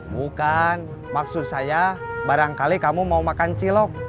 bukan maksud saya barangkali kamu mau makan cilok